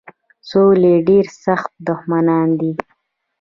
سولي ډېر سخت دښمنان دي.